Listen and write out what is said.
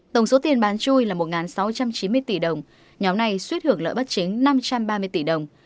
tổng số tiền bán chui là một sáu trăm chín mươi tỷ đồng nhóm này suy thưởng lợi bắt chính năm trăm ba mươi tỷ đồng